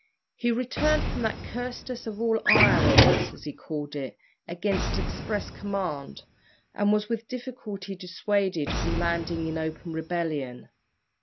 He returned from that "cursedest of all islands," as he called it, against express command, and was with difficulty dissuaded from landing in open rebellion.